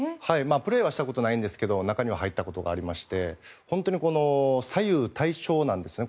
プレーはしたことはないんですけど中には入ったことがありまして本当に左右非対称なんですよね